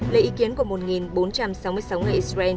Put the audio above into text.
lấy ý kiến của một bốn trăm sáu mươi sáu người israel